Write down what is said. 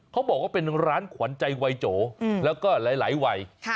เขาบอกว่าเป็นร้านขวัญใจวัยโจแล้วก็หลายวัย